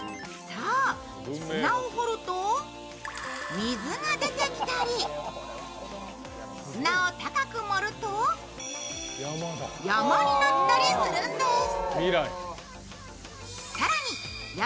そう、砂を掘ると水が出てきたり砂を高く盛ると山になったりするんです。